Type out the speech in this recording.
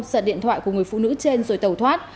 sợi điện thoại của người phụ nữ trên rồi tẩu thoát